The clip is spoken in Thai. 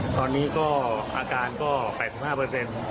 ตอนนี้ก็อาการก็๘๕เปอร์เซ็นต์